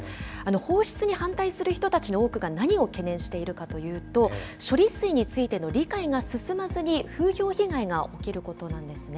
放出に反対する人たちの多くが何を懸念しているかというと、処理水についての理解が進まずに、風評被害が起きることなんですね。